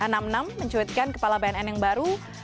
n enam puluh enam mencuitkan kepala bnn yang baru